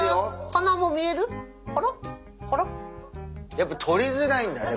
やっぱ撮りづらいんだね。